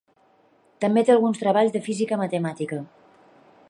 També té alguns treballs de física matemàtica.